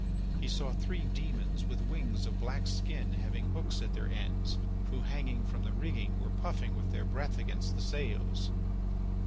He saw three demons with wings of black skin having hooks at their ends, who, hanging from the rigging, were puffing with their breath against the sails.